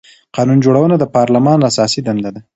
قانون جوړونه د پارلمان اساسي دنده ده